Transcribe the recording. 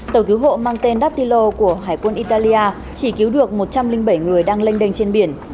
tàu cứu hộ mang tên dattilo của hải quân italia chỉ cứu được một trăm linh bảy người đang lênh đênh trên biển